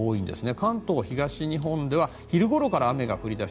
関東、東日本では昼ごろから雨が降り出し